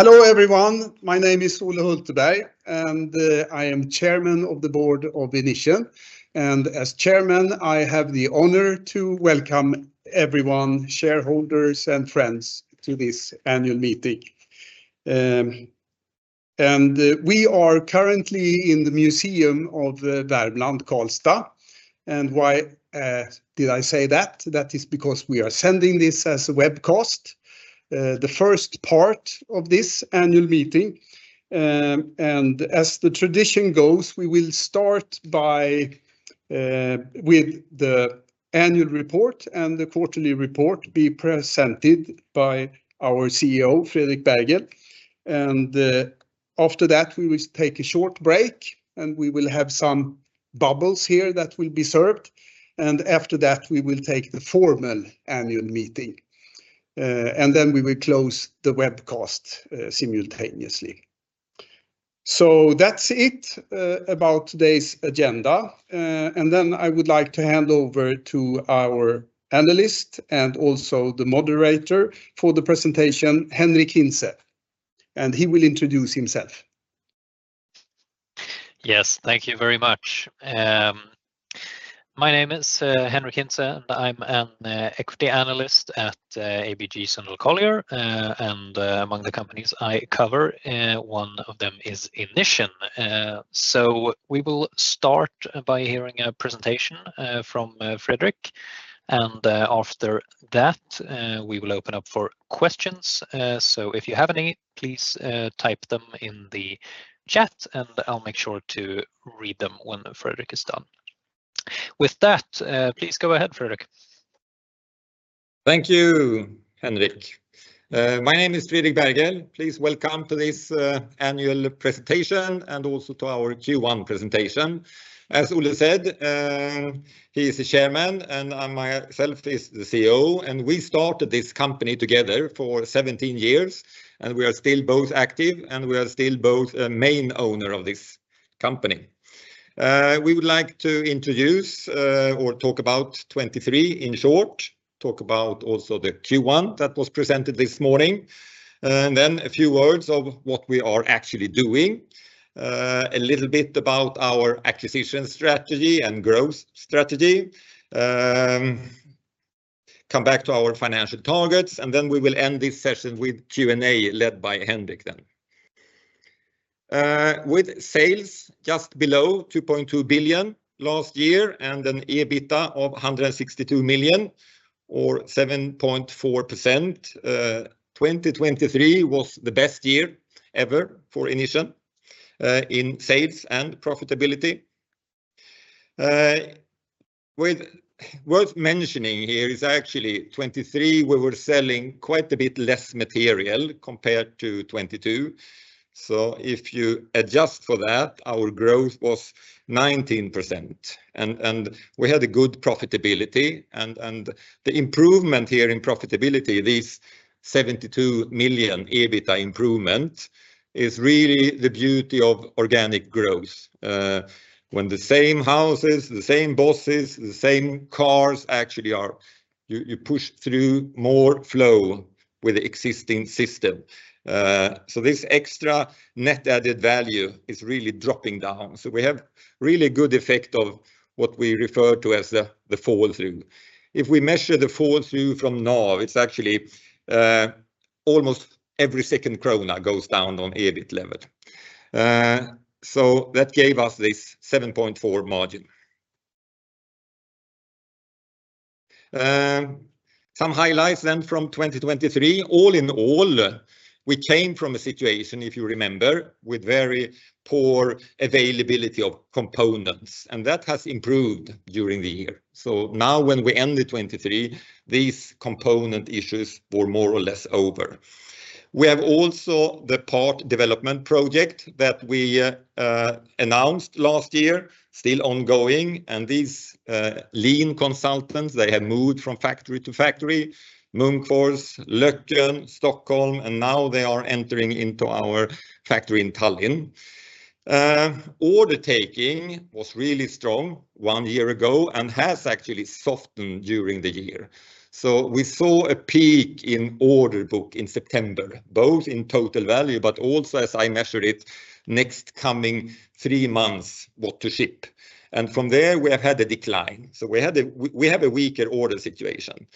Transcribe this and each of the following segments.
Hello everyone, my name is Olle Hulteberg, and I am chairman of the board of Inission. As chairman, I have the honor to welcome everyone, shareholders, and friends to this annual meeting. We are currently in the Värmlands Museum in Karlstad, and why did I say that? That is because we are sending this as a webcast, the first part of this annual meeting. As the tradition goes, we will start with the annual report and the quarterly report be presented by our CEO, Fredrik Berghel. After that, we will take a short break, and we will have some bubbles here that will be served. After that, we will take the formal annual meeting, and then we will close the webcast simultaneously. So that's it about today's agenda. And then I would like to hand over to our analyst and also the moderator for the presentation, Henrik Hintze, and he will introduce himself. Yes, thank you very much. My name is Henric Hintze, and I'm an equity analyst at ABG Sundal Collier, and among the companies I cover, one of them is Inission. We will start by hearing a presentation from Fredrik, and after that, we will open up for questions. If you have any, please type them in the chat, and I'll make sure to read them when Fredrik is done. With that, please go ahead, Fredrik. Thank you, Henrik. My name is Fredrik Berghel. Please welcome to this annual presentation and also to our Q1 presentation. As Olle said, he is the chairman, and I myself is the CEO. We started this company together for 17 years, and we are still both active, and we are still both the main owner of this company. We would like to introduce or talk about 2023 in short, talk about also the Q1 that was presented this morning, and then a few words of what we are actually doing, a little bit about our acquisition strategy and growth strategy, come back to our financial targets, and then we will end this session with Q&A led by Henrik then. With sales just below 2.2 billion last year and an EBITDA of 162 million or 7.4%, 2023 was the best year ever for Inission in sales and profitability. Worth mentioning here is actually 2023, we were selling quite a bit less material compared to 2022. So if you adjust for that, our growth was 19%, and we had a good profitability. And the improvement here in profitability, this 72 million EBITDA improvement, is really the beauty of organic growth. When the same houses, the same bosses, the same cars actually are you push through more flow with the existing system. So this extra net added value is really dropping down. So we have really good effect of what we refer to as the fall through. If we measure the fall through from now, it's actually almost every second krona goes down on EBIT level. So that gave us this 7.4% margin. Some highlights then from 2023. All in all, we came from a situation, if you remember, with very poor availability of components, and that has improved during the year. So now when we ended 2023, these component issues were more or less over. We have also the part development project that we announced last year, still ongoing. And these lean consultants, they have moved from factory to factory: Munkfors, Løkken, Stockholm, and now they are entering into our factory in Tallinn. Order taking was really strong one year ago and has actually softened during the year. So we saw a peak in order book in September, both in total value, but also, as I measured it, next coming three months, what to ship. And from there, we have had a decline. So we have a weaker order situation.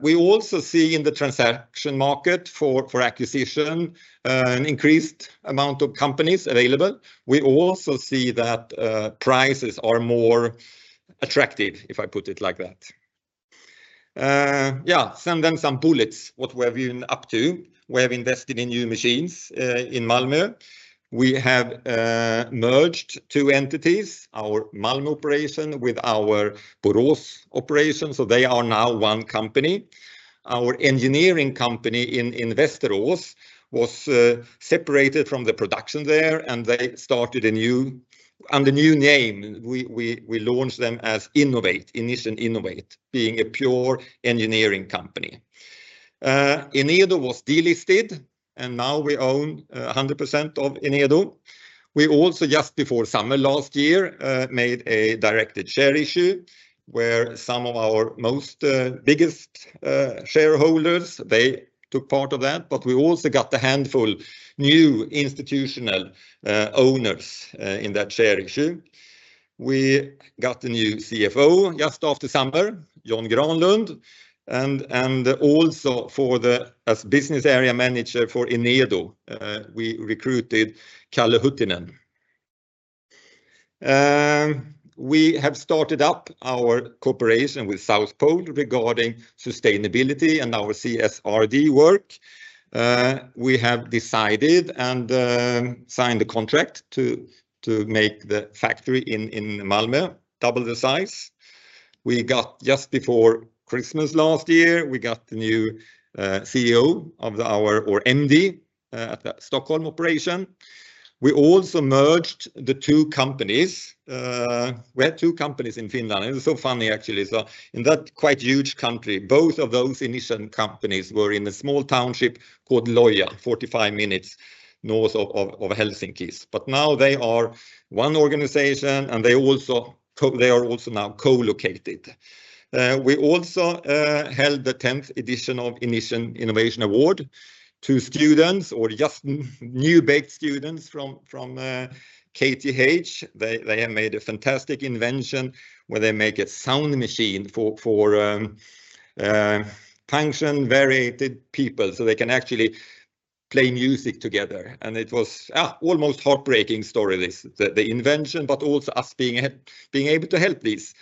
We also see in the transaction market for acquisition an increased amount of companies available. We also see that prices are more attractive, if I put it like that. Yeah, send them some bullets, what we're viewing up to. We have invested in new machines in Malmö. We have merged two entities, our Malmö operation with our Borås operation, so they are now one company. Our engineering company in Västerås was separated from the production there, and they started under new name. We launched them as Innovate, Inission Innovate, being a pure engineering company. Enedo was delisted, and now we own 100% of Enedo. We also, just before summer last year, made a directed share issue where some of our biggest shareholders, they took part of that, but we also got a handful of new institutional owners in that share issue. We got a new CFO just after summer, John Granlund, and also as business area manager for Enedo, we recruited Kalle Huitinen. We have started up our cooperation with South Pole regarding sustainability and our CSRD work. We have decided and signed the contract to make the factory in Malmö double the size. Just before Christmas last year, we got the new CEO of our MD at the Stockholm operation. We also merged the two companies. We had two companies in Finland. It was so funny, actually. So in that quite huge country, both of those Inission companies were in a small township called Lohja, 45 minutes north of Helsinki. But now they are one organization, and they are also now co-located. We also held the 10th edition of Inission Innovation Award to students or just new-baked students from KTH. They have made a fantastic invention where they make a sound machine for function-variated people, so they can actually play music together. It was almost a heartbreaking story, the invention, but also us being able to help these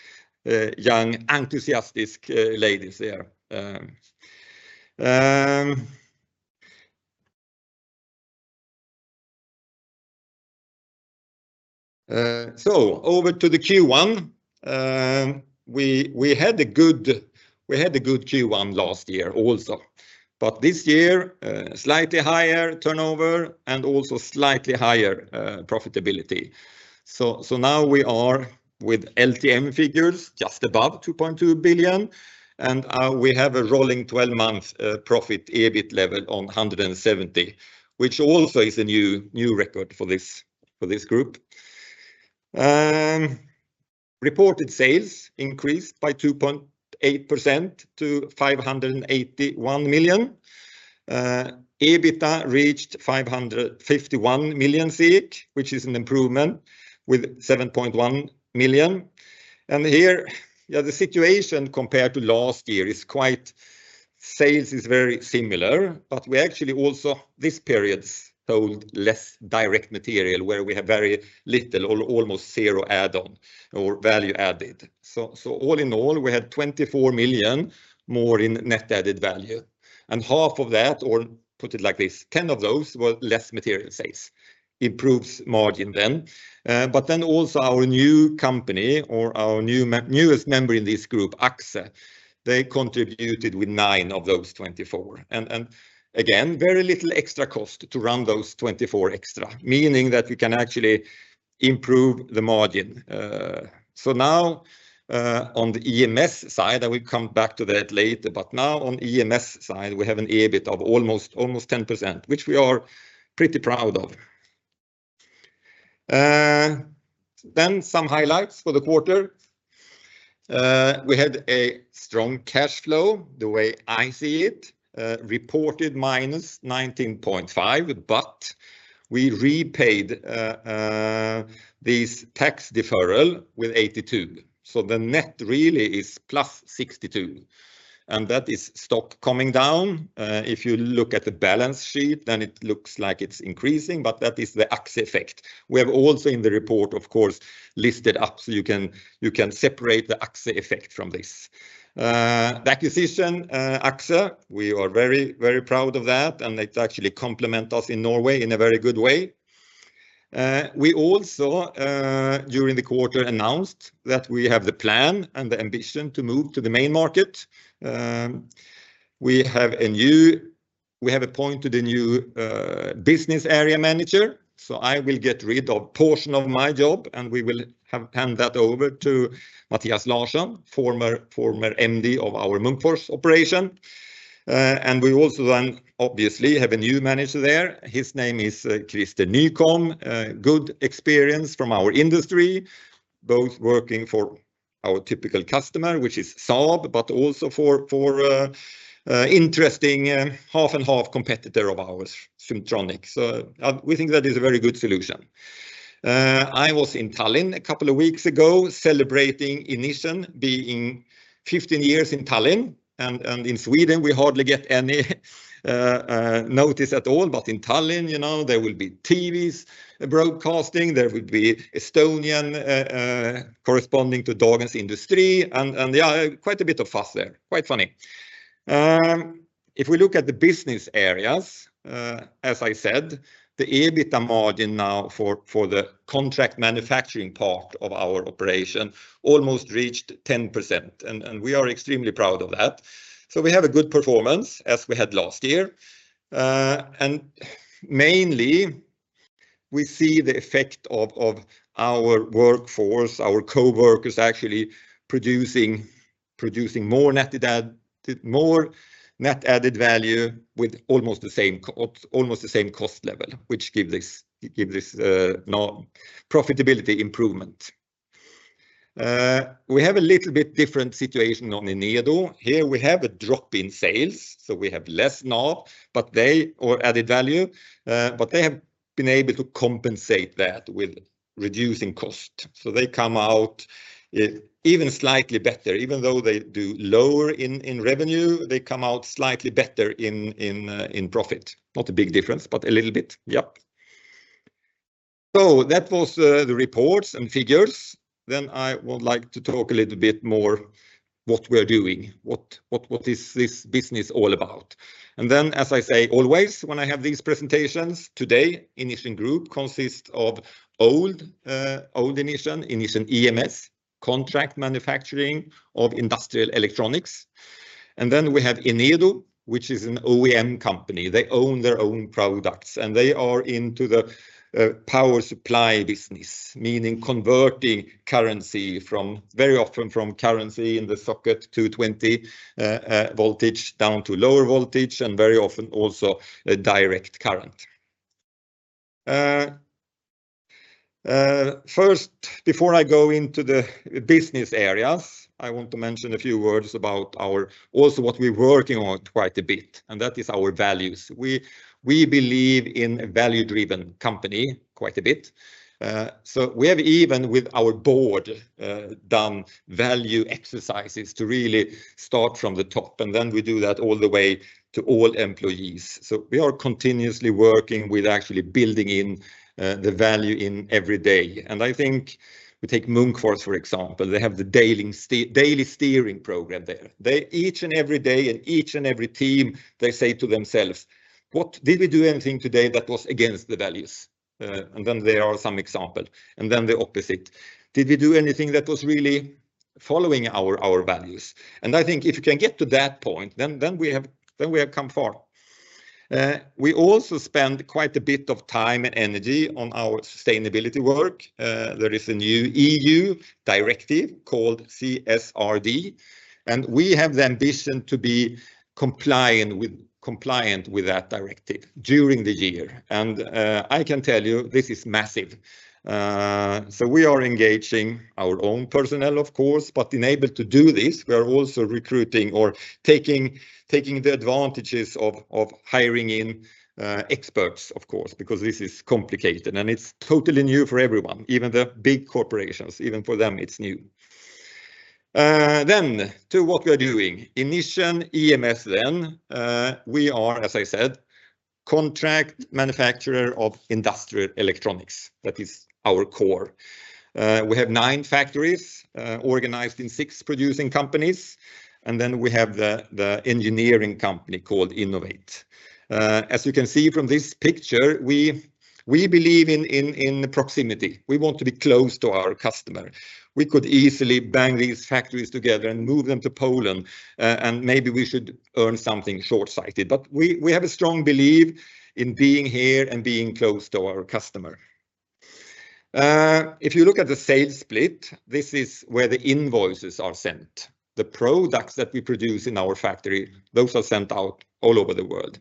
young, enthusiastic ladies there. So over to the Q1. We had a good Q1 last year also, but this year slightly higher turnover and also slightly higher profitability. So now we are with LTM figures just above 2.2 billion, and we have a rolling 12-month profit EBIT level on 170 million, which also is a new record for this group. Reported sales increased by 2.8% to 581 million. EBITDA reached 551 million, which is an improvement with 7.1 million. Here, the situation compared to last year is quite sales is very similar, but we actually also this period sold less direct material where we have very little, almost zero add-on or value added. So all in all, we had 24 million more in net added value, and half of that, or put it like this, 10 million of those were less material sales, improves margin then. But then also our new company or our newest member in this group, Axxe, they contributed with 9 million of those 24. And again, very little extra cost to run those 24 million extra, meaning that we can actually improve the margin. So now on the EMS side, and we'll come back to that later, but now on the EMS side, we have an EBIT of almost 10%, which we are pretty proud of. Then some highlights for the quarter. We had a strong cash flow, the way I see it, reported -19.5 million, but we repaid this tax deferral with 82 million. So the net really is +62 million, and that is stock coming down. If you look at the balance sheet, then it looks like it's increasing, but that is the Axxe effect. We have also in the report, of course, listed up so you can separate the Axxe effect from this. The acquisition, Axxe, we are very, very proud of that, and it actually complements us in Norway in a very good way. We also, during the quarter, announced that we have the plan and the ambition to move to the main market. We have appointed the new business area manager. So I will get rid of a portion of my job, and we will hand that over to Mathias Larsson, former MD of our Munkfors operation. And we also then, obviously, have a new manager there. His name is Christer Nykämpe, good experience from our industry, both working for our typical customer, which is Saab, but also for an interesting half-and-half competitor of ours, Syntronic. So we think that is a very good solution. I was in Tallinn a couple of weeks ago celebrating Inission, being 15 years in Tallinn. And in Sweden, we hardly get any notice at all, but in Tallinn, you know, there will be TVs broadcasting, there will be Estonian corresponding to Dagens Industri, and yeah, quite a bit of fuss there, quite funny. If we look at the business areas, as I said, the EBITDA margin now for the contract manufacturing part of our operation almost reached 10%, and we are extremely proud of that. So we have a good performance as we had last year. Mainly, we see the effect of our workforce, our coworkers, actually producing more net added value with almost the same cost level, which gives this profitability improvement. We have a little bit different situation on Enedo. Here, we have a drop in sales, so we have less NAV, but they or added value, but they have been able to compensate that with reducing cost. So they come out even slightly better, even though they do lower in revenue, they come out slightly better in profit. Not a big difference, but a little bit, yep. That was the reports and figures. I would like to talk a little bit more what we're doing, what is this business all about. Then, as I say always when I have these presentations, today, Inission Group consists of old Inission, Inission EMS, contract manufacturing of industrial electronics. And then we have Enedo, which is an OEM company. They own their own products, and they are into the power supply business, meaning converting current from very often from current in the socket to 220-volt down to lower voltage and very often also direct current. First, before I go into the business areas, I want to mention a few words about our also what we're working on quite a bit, and that is our values. We believe in a value-driven company quite a bit. So we have even with our board done value exercises to really start from the top, and then we do that all the way to all employees. So we are continuously working with actually building in the value in every day. And I think we take Munkfors, for example, they have the daily steering program there. Each and every day and each and every team, they say to themselves, "What did we do anything today that was against the values?" And then there are some examples, and then the opposite. "Did we do anything that was really following our values?" And I think if you can get to that point, then we have come far. We also spend quite a bit of time and energy on our sustainability work. There is a new EU directive called CSRD, and we have the ambition to be compliant with that directive during the year. I can tell you, this is massive. So we are engaging our own personnel, of course, but enabled to do this, we are also recruiting or taking the advantages of hiring in experts, of course, because this is complicated and it's totally new for everyone, even the big corporations, even for them, it's new. Then to what we're doing, Inission EMS then, we are, as I said, contract manufacturer of industrial electronics. That is our core. We have nine factories organized in six producing companies, and then we have the engineering company called Innovate. As you can see from this picture, we believe in proximity. We want to be close to our customer. We could easily bang these factories together and move them to Poland, and maybe we should earn something short-sighted, but we have a strong belief in being here and being close to our customer. If you look at the sales split, this is where the invoices are sent. The products that we produce in our factory, those are sent out all over the world.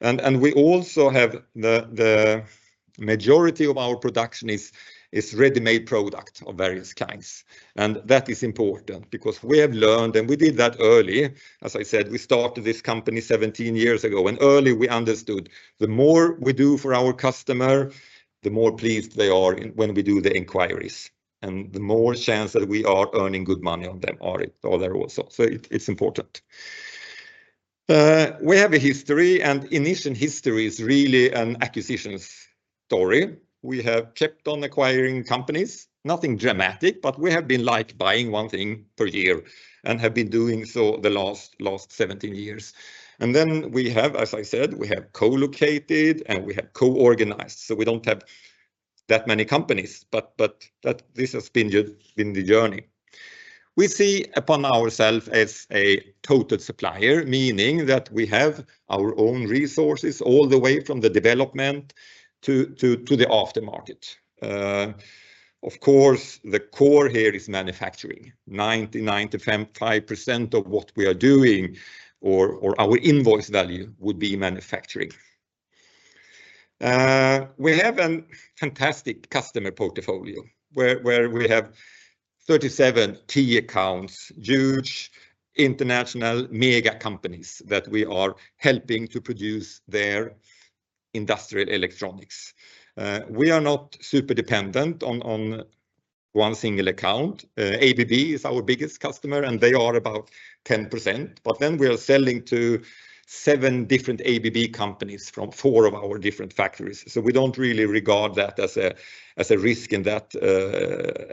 And we also have the majority of our production is ready-made product of various kinds. That is important because we have learned, and we did that early, as I said, we started this company 17 years ago, and early we understood the more we do for our customer, the more pleased they are when we do the inquiries, and the more chance that we are earning good money on them are there also. So it's important. We have a history, and Inission history is really an acquisitions story. We have kept on acquiring companies, nothing dramatic, but we have been like buying one thing per year and have been doing so the last 17 years. And then we have, as I said, we have co-located and we have co-organized, so we don't have that many companies, but this has been the journey. We see ourselves as a total supplier, meaning that we have our own resources all the way from the development to the aftermarket. Of course, the core here is manufacturing. 99.5% of what we are doing or our invoice value would be manufacturing. We have a fantastic customer portfolio where we have 37 Key accounts, huge international mega companies that we are helping to produce their industrial electronics. We are not super dependent on one single account. ABB is our biggest customer, and they are about 10%, but then we are selling to seven different ABB companies from four of our different factories, so we don't really regard that as a risk in that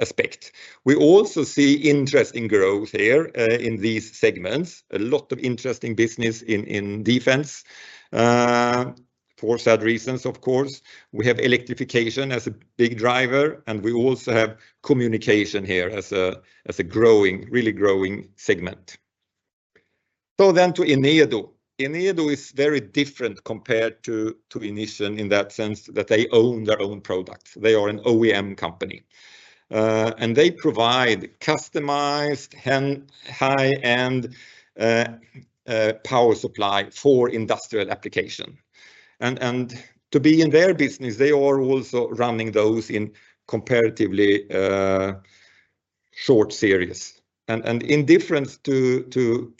aspect. We also see interesting growth here in these segments, a lot of interesting business in defense for said reasons, of course. We have electrification as a big driver, and we also have communication here as a growing, really growing segment. So then to Enedo. Enedo is very different compared to Inission in that sense that they own their own products. They are an OEM company, and they provide customized high-end power supply for industrial application. To be in their business, they are also running those in comparatively short series. In difference to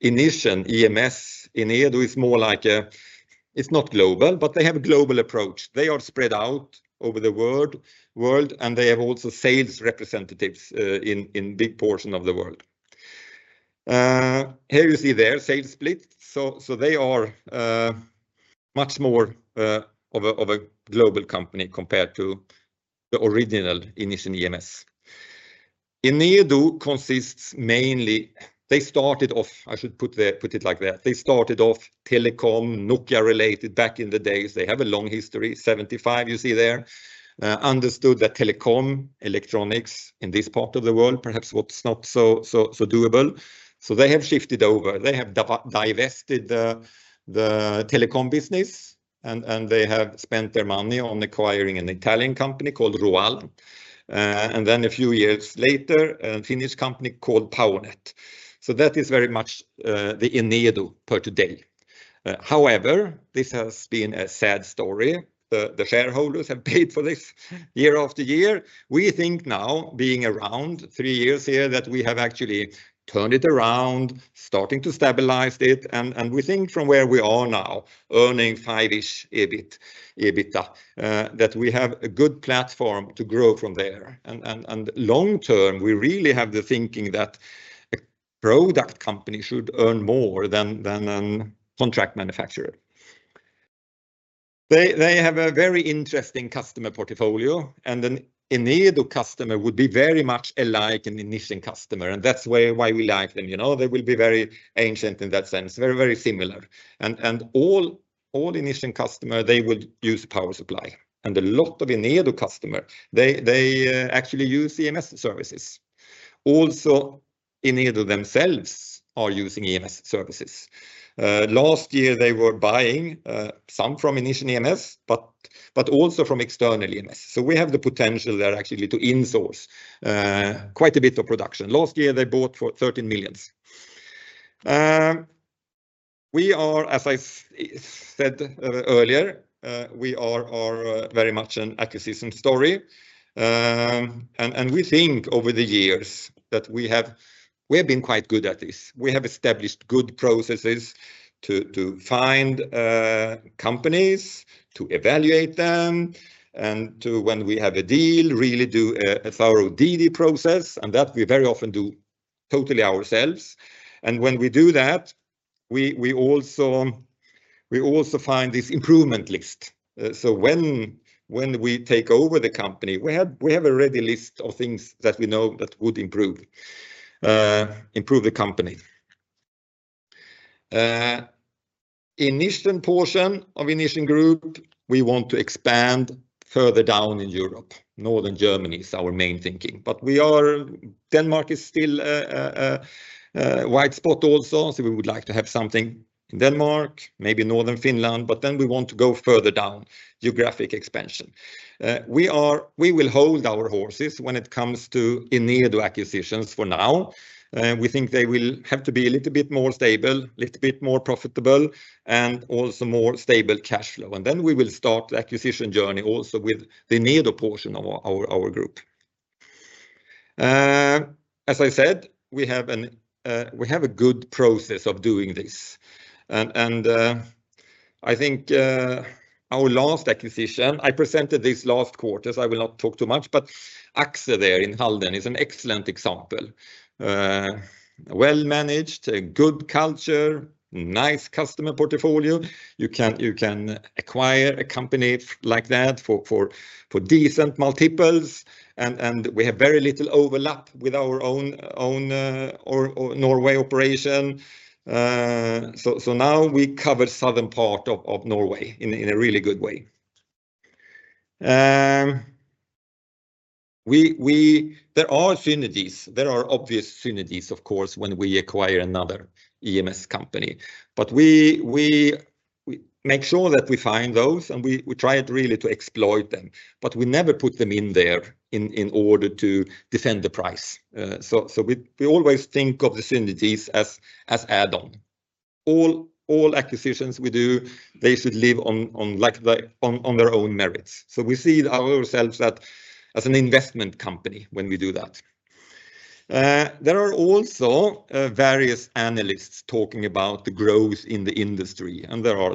Inission EMS, Enedo is more like a it's not global, but they have a global approach. They are spread out over the world, and they have also sales representatives in a big portion of the world. Here you see their sales split. So they are much more of a global company compared to the original Inission EMS. Enedo consists mainly they started off, I should put it like that, they started off telecom, Nokia-related back in the days. They have a long history, 1975 you see there, understood that telecom, electronics in this part of the world perhaps was not so doable. So they have shifted over, they have divested the telecom business, and they have spent their money on acquiring an Italian company called ROAL, and then a few years later, a Finnish company called Powernet. So that is very much the Enedo per today. However, this has been a sad story. The shareholders have paid for this year after year. We think now, being around three years here, that we have actually turned it around, starting to stabilize it, and we think from where we are now, earning 5-ish EBITDA, that we have a good platform to grow from there. Long-term, we really have the thinking that a product company should earn more than a contract manufacturer. They have a very interesting customer portfolio, and an Enedo customer would be very much alike an Inission customer, and that's why we like them. You know, they will be very adjacent in that sense, very, very similar. And all Inission customers, they will use a power supply, and a lot of Enedo customers, they actually use EMS services. Also, Enedo themselves are using EMS services. Last year, they were buying some from Inission EMS, but also from external EMS. So we have the potential there actually to insource quite a bit of production. Last year, they bought for 13 million. We are, as I said earlier, we are very much an acquisition story. And we think over the years that we have been quite good at this. We have established good processes to find companies, to evaluate them, and when we have a deal, really do a thorough DD process, and that we very often do totally ourselves. When we do that, we also find this improvement list. So when we take over the company, we have a ready list of things that we know that would improve the company. Inission portion of Inission Group, we want to expand further down in Europe. Northern Germany is our main thinking, but Denmark is still a white spot also, so we would like to have something in Denmark, maybe northern Finland, but then we want to go further down, geographic expansion. We will hold our horses when it comes to Enedo acquisitions for now. We think they will have to be a little bit more stable, a little bit more profitable, and also more stable cash flow. And then we will start the acquisition journey also with the Enedo portion of our group. As I said, we have a good process of doing this. And I think our last acquisition, I presented this last quarter, so I will not talk too much, but Axxe there in Halden is an excellent example. Well-managed, good culture, nice customer portfolio. You can acquire a company like that for decent multiples. And we have very little overlap with our own Norway operation. So now we cover southern part of Norway in a really good way. There are synergies. There are obvious synergies, of course, when we acquire another EMS company. But we make sure that we find those, and we try really to exploit them, but we never put them in there in order to defend the price. So we always think of the synergies as add-on. All acquisitions we do, they should live on like on their own merits. So we see ourselves as an investment company when we do that. There are also various analysts talking about the growth in the industry, and there are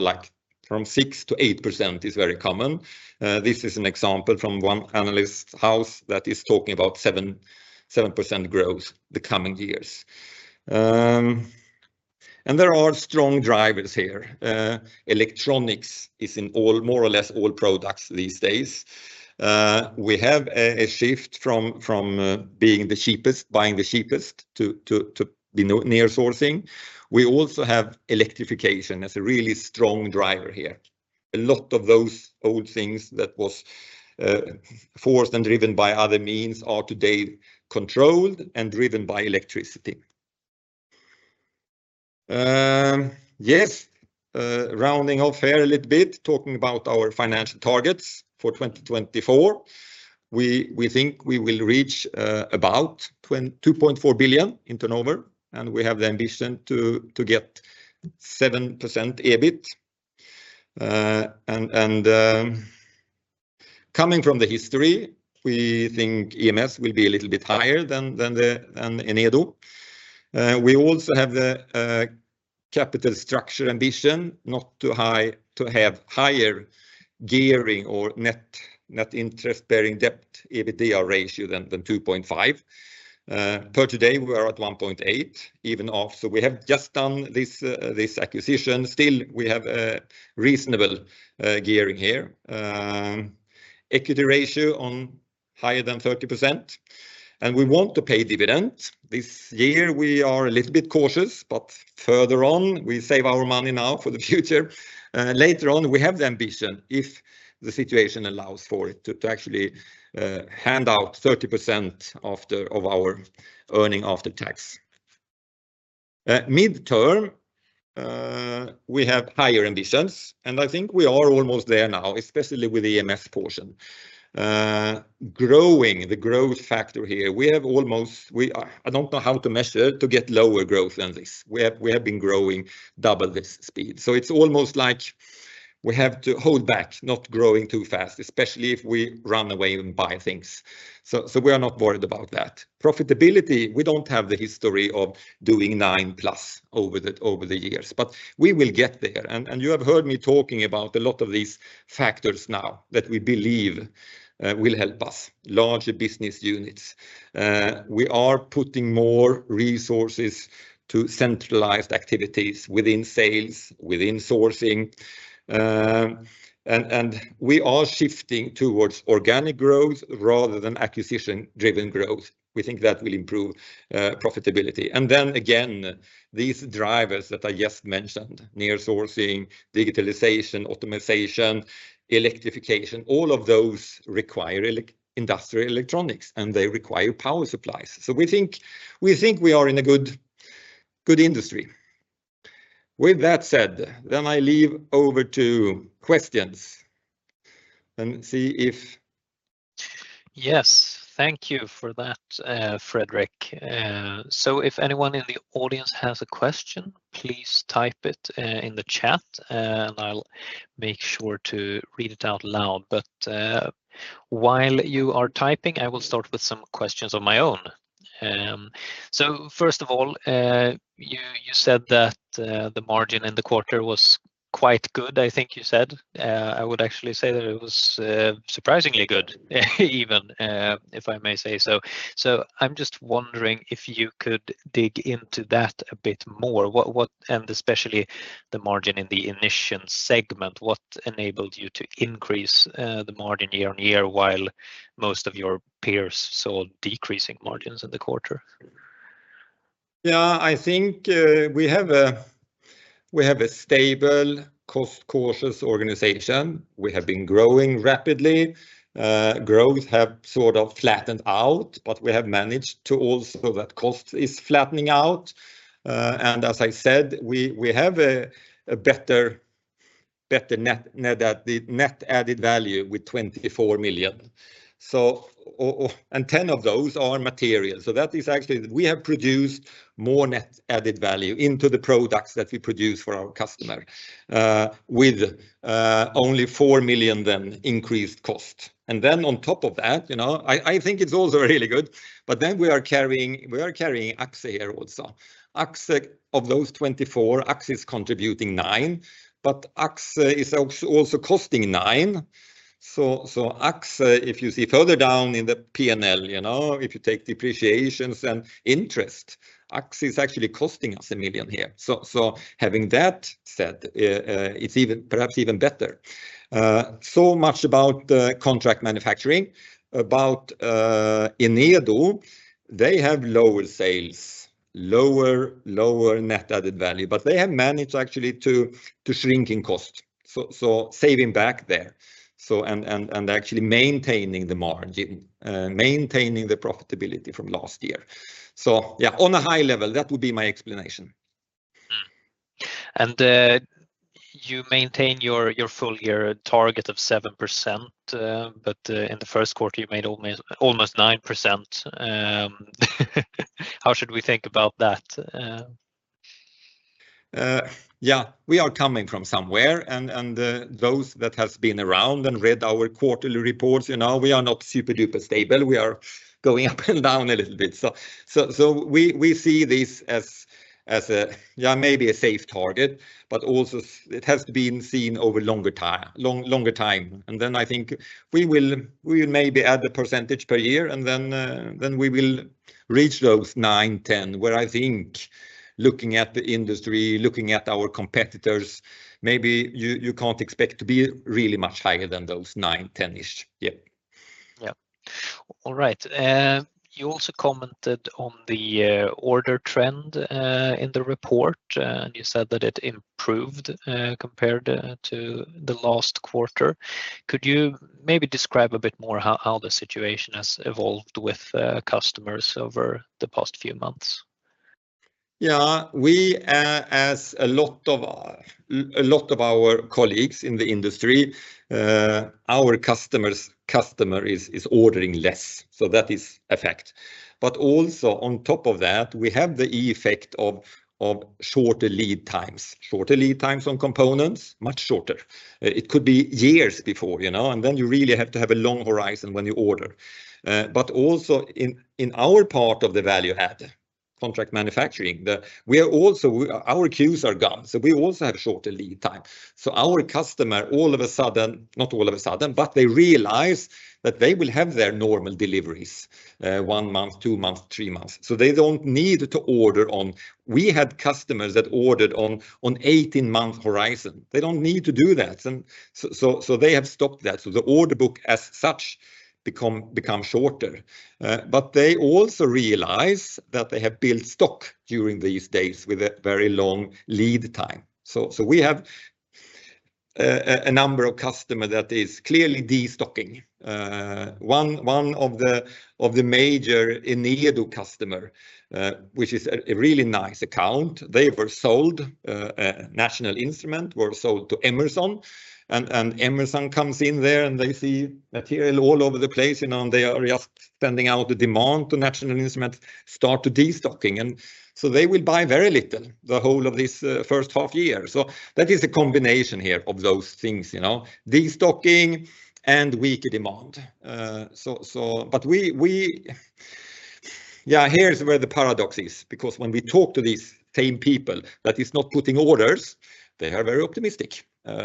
like from 6%-8% is very common. This is an example from one analyst house that is talking about 7% growth the coming years. And there are strong drivers here. Electronics is in all more or less all products these days. We have a shift from being the cheapest, buying the cheapest, to to be near-sourcing. We also have electrification as a really strong driver here. A lot of those old things that were forced and driven by other means are today controlled and driven by electricity. Yes, rounding off here a little bit, talking about our financial targets for 2024, we think we will reach about 2.4 billion in turnover, and we have the ambition to get 7% EBITDA. And coming from the history, we think EMS will be a little bit higher than Enedo. We also have the capital structure ambition not to have higher gearing or net interest bearing debt EBITDA ratio than 2.5. Per today, we are at 1.8, even off. So we have just done this acquisition. Still, we have a reasonable gearing here, equity ratio on higher than 30%. And we want to pay dividend. This year, we are a little bit cautious, but further on, we save our money now for the future. Later on, we have the ambition, if the situation allows for it, to actually hand out 30% of our earning after tax. Mid-term, we have higher ambitions, and I think we are almost there now, especially with the EMS portion. Growing, the growth factor here, we have almost I don't know how to measure to get lower growth than this. We have been growing double this speed. So it's almost like we have to hold back, not growing too fast, especially if we run away and buy things. So we are not worried about that. Profitability, we don't have the history of doing 9+ over the years, but we will get there. And you have heard me talking about a lot of these factors now that we believe will help us, larger business units. We are putting more resources to centralized activities within sales, within sourcing. And we are shifting towards organic growth rather than acquisition-driven growth. We think that will improve profitability. And then again, these drivers that I just mentioned, near-sourcing, digitalization, automation, electrification, all of those require industrial electronics, and they require power supplies. So we think we are in a good industry. With that said, then I leave over to questions and see if. Yes, thank you for that, Fredrik. So if anyone in the audience has a question, please type it in the chat, and I'll make sure to read it out loud. But while you are typing, I will start with some questions of my own. So first of all, you said that the margin in the quarter was quite good, I think you said. I would actually say that it was surprisingly good, even if I may say so. So I'm just wondering if you could dig into that a bit more, and especially the margin in the Inission segment. What enabled you to increase the margin year on year while most of your peers saw decreasing margins in the quarter? Yeah, I think we have a stable, cost-cautious organization. We have been growing rapidly. Growth has sort of flattened out, but we have managed to also that cost is flattening out. And as I said, we have a better net added value with 24 million. And 10 of those are material. So that is actually that we have produced more net added value into the products that we produce for our customer, with only 4 million then increased cost. And then on top of that, you know I think it's also really good, but then we are carrying Axxe here also. Axxe, of those 24, Axxe is contributing 9, but Axxe is also costing 9. So Axxe, if you see further down in the P&L, you know if you take depreciations and interest, Axxe is actually costing us 1 million here. So having that said, it's even perhaps even better. So much about contract manufacturing. About Enedo, they have lower sales, lower net added value, but they have managed actually to shrink in cost, so saving back there, and actually maintaining the margin, maintaining the profitability from last year. So yeah, on a high level, that would be my explanation. You maintain your full-year target of 7%, but in the first quarter, you made almost 9%. How should we think about that? Yeah, we are coming from somewhere. Those that have been around and read our quarterly reports, you know we are not super duper stable. We are going up and down a little bit. We see this as a, yeah, maybe a safe target, but also it has been seen over longer time. Then I think we will maybe add a percentage per year, and then we will reach those 9-10, where I think looking at the industry, looking at our competitors, maybe you can't expect to be really much higher than those 9-10-ish. Yep. Yeah. All right. You also commented on the order trend in the report, and you said that it improved compared to the last quarter. Could you maybe describe a bit more how the situation has evolved with customers over the past few months? Yeah, we, as a lot of our colleagues in the industry, our customer is ordering less. So that is a fact. But also on top of that, we have the effect of shorter lead times, shorter lead times on components, much shorter. It could be years before, you know, and then you really have to have a long horizon when you order. But also in our part of the value add, contract manufacturing, our queues are gone, so we also have shorter lead time. So our customer, all of a sudden, not all of a sudden, but they realize that they will have their normal deliveries, one month, two months, three months. So they don't need to order on we had customers that ordered on 18-month horizon. They don't need to do that. And so they have stopped that. So the order book as such becomes shorter. But they also realize that they have built stock during these days with a very long lead time. So we have a number of customers that is clearly destocking. One of the major Enedo customers, which is a really nice account, they were sold, National Instruments were sold to Emerson. And Emerson comes in there, and they see material all over the place, and they are just sending out the demand to National Instruments, start to destocking. And so they will buy very little the whole of this first half year. So that is a combination here of those things, you know destocking and weaker demand. But yeah, here's where the paradox is, because when we talk to these same people that is not putting orders, they are very optimistic.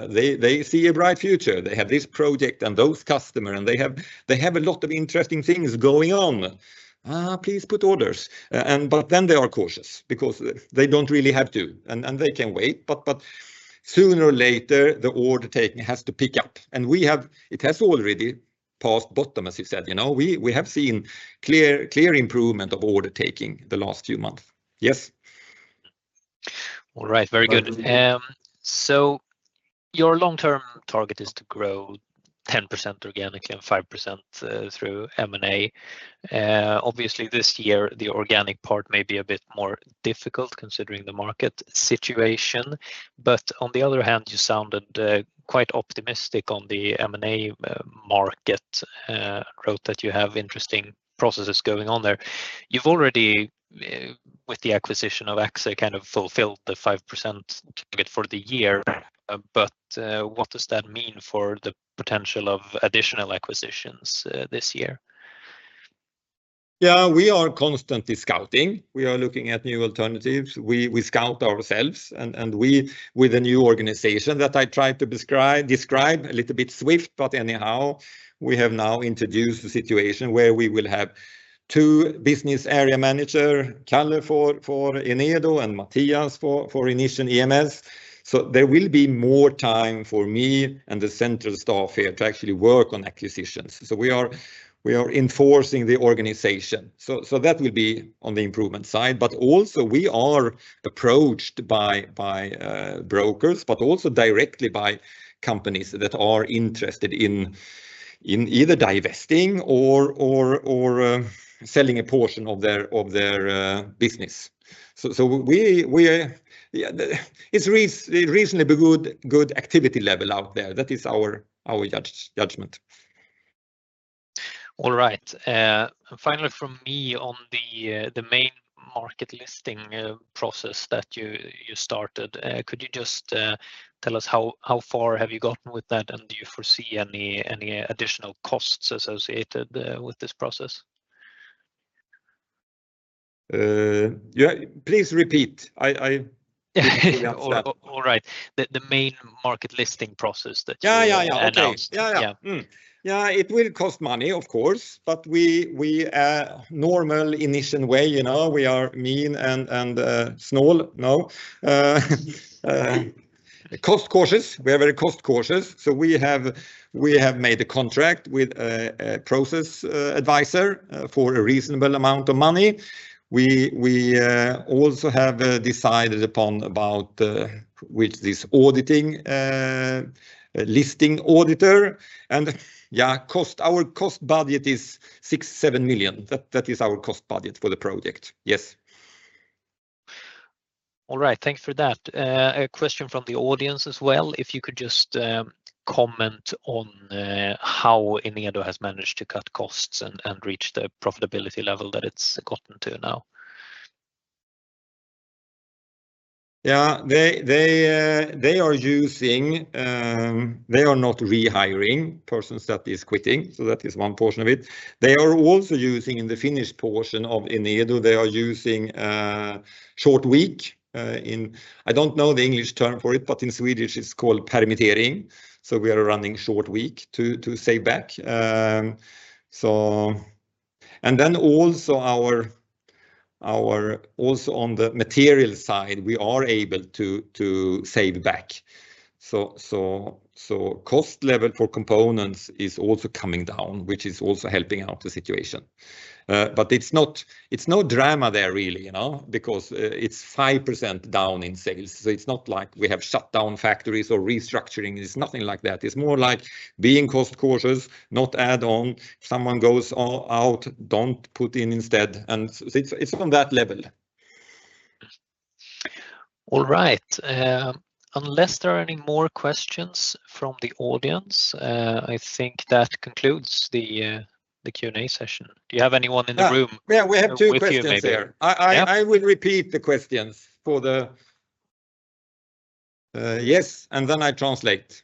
They see a bright future. They have this project and those customers, and they have a lot of interesting things going on. Please put orders. But then they are cautious because they don't really have to, and they can wait. But sooner or later, the order taking has to pick up. And it has already passed bottom, as you said. You know we have seen clear improvement of order taking the last few months. Yes. All right, very good. So your long-term target is to grow 10% organically and 5% through M&A. Obviously, this year, the organic part may be a bit more difficult considering the market situation. But on the other hand, you sounded quite optimistic on the M&A market, wrote that you have interesting processes going on there. You've already, with the acquisition of Axxe, kind of fulfilled the 5% target for the year. But what does that mean for the potential of additional acquisitions this year? Yeah, we are constantly scouting. We are looking at new alternatives. We scout ourselves. With the new organization that I tried to describe, a little bit swift, but anyhow, we have now introduced a situation where we will have two business area managers, Kalle for Enedo and Mathias for Inission EMS. So there will be more time for me and the central staff here to actually work on acquisitions. So we are enforcing the organization. So that will be on the improvement side. But also, we are approached by brokers, but also directly by companies that are interested in either divesting or selling a portion of their business. So it's reasonably good activity level out there. That is our judgment. All right. Finally, from me on the main market listing process that you started, could you just tell us how far have you gotten with that, and do you foresee any additional costs associated with this process? Yeah, please repeat. All right. The main market listing process that you announced. Yeah, yeah, yeah. Okay. Yeah, yeah. Yeah, it will cost money, of course, but we are normal Inission way. You know we are mean and lean. Cost-cautious. We are very cost-cautious. So we have made a contract with a process advisor for a reasonable amount of money. We also have decided upon about this auditing, listing auditor. Yeah, our cost budget is 6-7 million. That is our cost budget for the project. Yes. All right. Thanks for that. A question from the audience as well, if you could just comment on how Enedo has managed to cut costs and reach the profitability level that it's gotten to now. Yeah, they are using, they are not rehiring persons that are quitting. So that is one portion of it. They are also using in the Finnish portion of Enedo, they are using short week. I don't know the English term for it, but in Swedish, it's called Permittering. So we are running short week to save back. And then also on the material side, we are able to save back. So cost level for components is also coming down, which is also helping out the situation. But it's no drama there, really, you know because it's 5% down in sales. So it's not like we have shut down factories or restructuring. It's nothing like that. It's more like being cost-cautious, not add-on. If someone goes out, don't put in instead. And so it's on that level. All right. Unless there are any more questions from the audience, I think that concludes the Q&A session. Do you have anyone in the room with Q&A there? Yeah, we have two questions there. I will repeat the questions for the yes, and then I translate.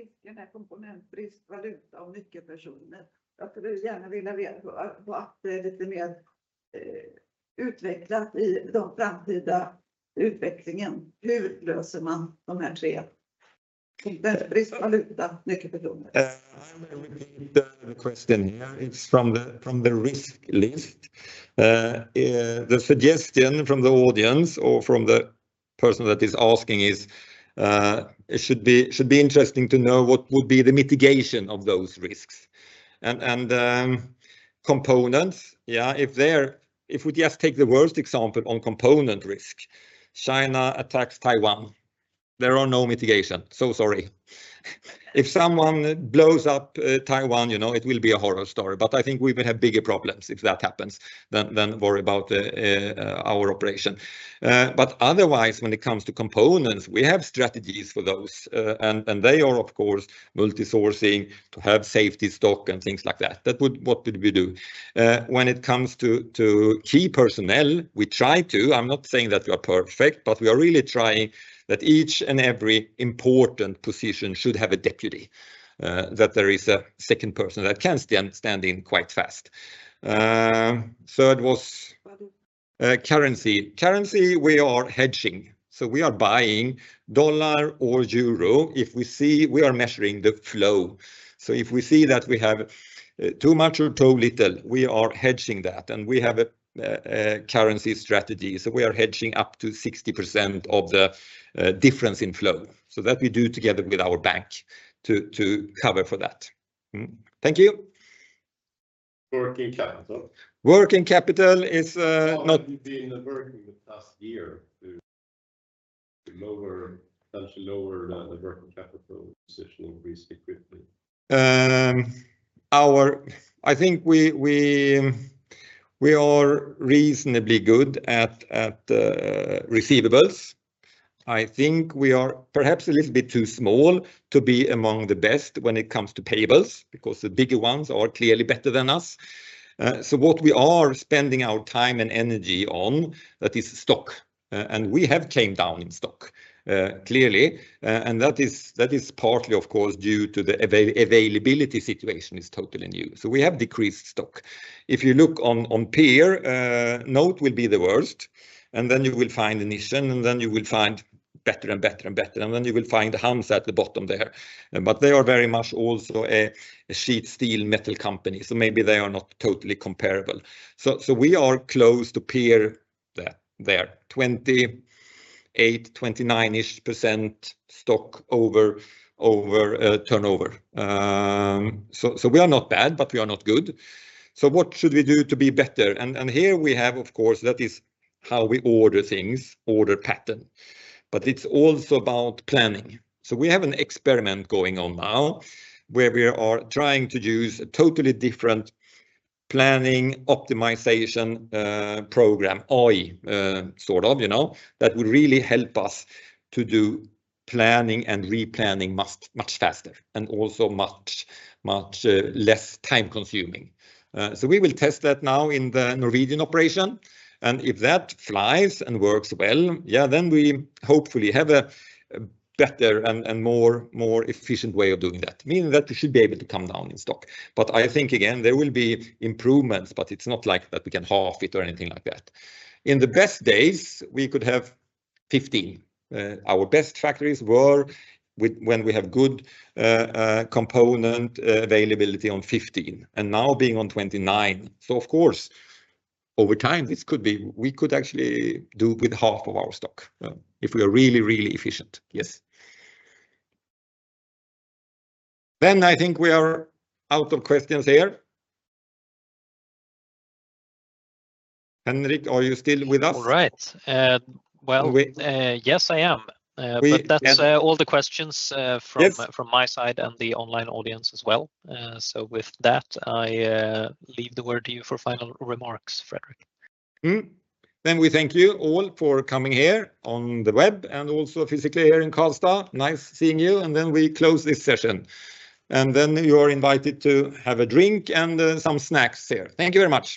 Risken är komponentbrist, valuta och nyckelpersoner. Jag skulle gärna vilja veta vad Axxe är lite mer utvecklat i den framtida utvecklingen. Hur löser man de här tre? Kompetensbrist, valuta, nyckelpersoner. I may repeat the question here. It's from the risk list. The suggestion from the audience or from the person that is asking is, it should be interesting to know what would be the mitigation of those risks. And components, yeah, if we just take the worst example on component risk, China attacks Taiwan. There are no mitigations. So sorry. If someone blows up Taiwan, you know it will be a horror story. But I think we will have bigger problems if that happens than worry about our operation. But otherwise, when it comes to components, we have strategies for those. And they are, of course, multisourcing to have safety stock and things like that. That would be what we do. When it comes to key personnel, we try to. I'm not saying that we are perfect, but we are really trying that each and every important position should have a deputy, that there is a second person that can stand in quite fast. Third was currency. Currency, we are hedging. So we are buying dollar or euro if we see we are measuring the flow. So if we see that we have too much or too little, we are hedging that. And we have a currency strategy. So we are hedging up to 60% of the difference in flow. So that we do together with our bank to cover for that. Thank you. Working capital. Working capital is not. How have you been working the past year to potentially lower the working capital position increasingly quickly? I think we are reasonably good at receivables. I think we are perhaps a little bit too small to be among the best when it comes to payables because the bigger ones are clearly better than us. So what we are spending our time and energy on, that is stock. And we have came down in stock, clearly. And that is partly, of course, due to the availability situation is totally new. So we have decreased stock. If you look on peer, NOTE will be the worst. And then you will find Inission, and then you will find better and better and better. And then you will find HANZA at the bottom there. But they are very much also a sheet steel metal company. So maybe they are not totally comparable. So we are close to peer there, 28%-29-ish% stock over turnover. So we are not bad, but we are not good. So what should we do to be better? And here we have, of course, that is how we order things, order pattern. But it's also about planning. So we have an experiment going on now where we are trying to use a totally different planning optimization program, AI, sort of, you know that would really help us to do planning and replanning much faster and also much, much less time-consuming. So we will test that now in the Norwegian operation. And if that flies and works well, yeah, then we hopefully have a better and more efficient way of doing that, meaning that we should be able to come down in stock. But I think, again, there will be improvements, but it's not like that we can half it or anything like that. In the best days, we could have 15. Our best factories were when we have good component availability on 15, and now being on 29. So, of course, over time, this could be we could actually do with half of our stock if we are really, really efficient. Yes. Then I think we are out of questions here. Henrik, are you still with us? All right. Well, yes, I am. But that's all the questions from my side and the online audience as well. So with that, I leave the word to you for final remarks, Fredrik. We thank you all for coming here on the web and also physically here in Karlstad. Nice seeing you. Then we close this session. Then you are invited to have a drink and some snacks here. Thank you very much.